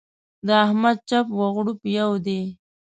د احمد چپ و غړوپ يو دی.